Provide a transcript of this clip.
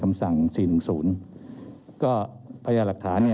เรามีการปิดบันทึกจับกลุ่มเขาหรือหลังเกิดเหตุแล้วเนี่ย